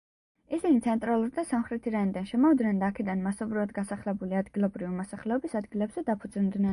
ისინი ცენტრალურ და სამხრეთ ირანიდან შემოვიდნენ და აქედან მასობრივად გასახლებული ადგილობრივი მოსახლეობის ადგილებზე დაფუძნდნენ.